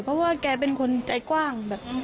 เพราะว่าแกเป็นคนใจกว้างแบบ